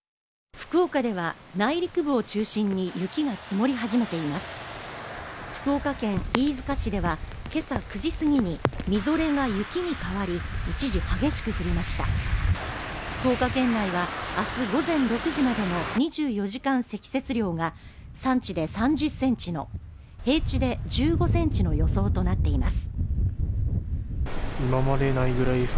福岡では内陸部を中心に雪が積もり始めています福岡県飯塚市ではけさ９時過ぎにみぞれが雪に変わり一時激しく降りました福岡県内はあす午前６時までの２４時間積雪量が山地で３０センチの平地で１５センチの予想となっています